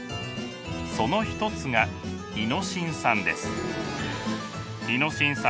その一つがイノシン酸です。